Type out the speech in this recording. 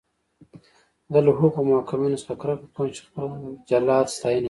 زه له هغو محکومینو څخه کرکه کوم چې خپل جلاد ستاینه کوي.